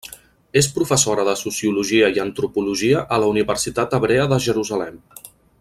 És professora de sociologia i antropologia a la Universitat Hebrea de Jerusalem.